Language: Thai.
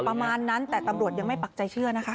ประมาณนั้นแต่ตำรวจยังไม่ปักใจเชื่อนะคะ